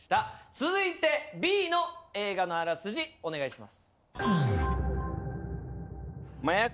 続いてＢの映画のあらすじお願いします。